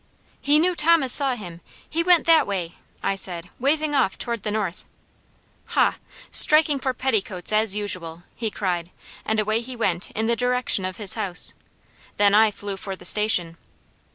"He knew Thomas saw him. He went that way," I said, waving off toward the north. "Hah! striking for petticoats, as usual!" he cried, and away he went in the direction of his house. Then I flew for the Station.